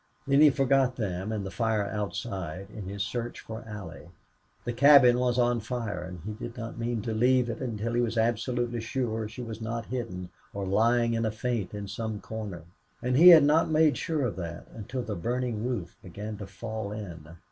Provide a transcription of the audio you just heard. Then he forgot them and the fight outside in his search for Allie. The cabin was on fire, and he did not mean to leave it until he was absolutely sure she was not hidden or lying in a faint in some corner. And he had not made sure of that until the burning roof began to fall in.